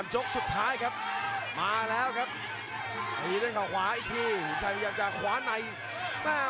แชลเบียนชาวเล็ก